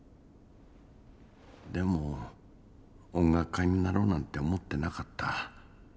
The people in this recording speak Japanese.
でも音楽家になろうなんて思ってなかった。